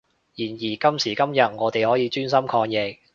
然而今時今日我哋可以專心抗疫